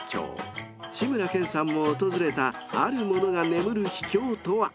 ［志村けんさんも訪れたあるものが眠る秘境とは？］